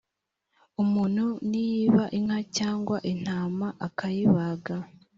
umuntu niyiba inka cyangwa intama akayibaga